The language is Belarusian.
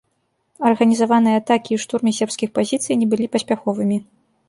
Арганізаваныя атакі і штурмы сербскіх пазіцый не былі паспяховымі.